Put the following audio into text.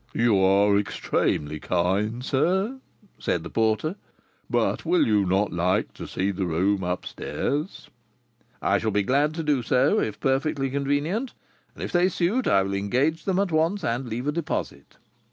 "You are extremely kind, sir," said the porter; "but will you not like to see the rooms up stairs?" "I shall be glad to do so, if perfectly convenient; and, if they suit, I will engage them at once and leave a deposit."